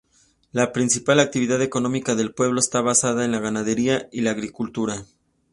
La principal actividad económica del pueblo está basada en la ganadería y la agricultura.